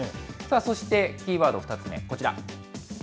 そして、キーワード２つ目、こちら。